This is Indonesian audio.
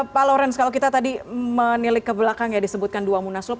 pak lawrence kalau kita tadi menilik ke belakang ya disebutkan dua munaslup